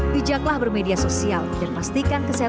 bijaklah bermedia sosial dan pastikan kesehatan